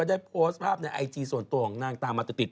ได้โพสต์ภาพในไอจีส่วนตัวของนางตามมาติด